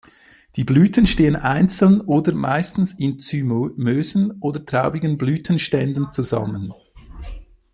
Die Blüten stehen einzeln oder meistens in zymösen oder traubigen Blütenständen zusammen.